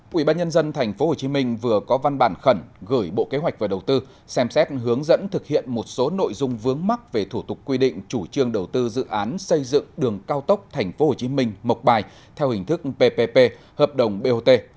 quỹ ban nhân dân tp hcm vừa có văn bản khẩn gửi bộ kế hoạch và đầu tư xem xét hướng dẫn thực hiện một số nội dung vướng mắc về thủ tục quy định chủ trương đầu tư dự án xây dựng đường cao tốc tp hcm mộc bài theo hình thức ppp hợp đồng bot